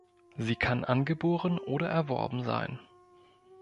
Sie kann angeboren oder erworben sein.